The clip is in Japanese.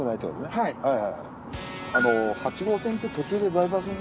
はいはい。